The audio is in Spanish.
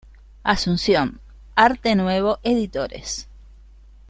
Asunción, Arte Nuevo Editores.